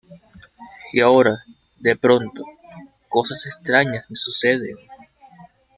Y ahora, de pronto, cosas extrañas me suceden